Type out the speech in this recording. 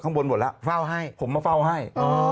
ขึ้นไปข้างบนหมดแล้วผมมาเฝ้าให้